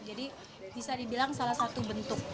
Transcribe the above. jadi bisa dibilang salah satu bentuk